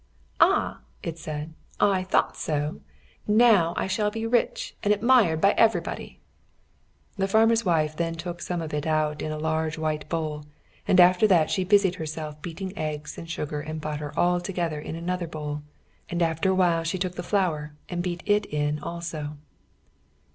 "Ah!" it said; "I thought so. Now I shall be rich, and admired by everybody." The farmer's wife then took some of it out in a large white bowl, and after that she busied herself beating eggs and sugar and butter all together in another bowl: and after a while she took the flour and beat it in also.